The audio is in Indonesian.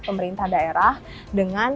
pemerintah daerah dengan